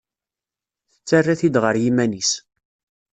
Tettara-t-id ɣer yiman-is.